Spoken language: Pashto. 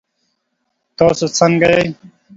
تاسو ځنګه يئ؟